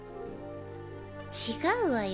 違うわよ。